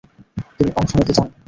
তিনি অংশ নিতে চাননি।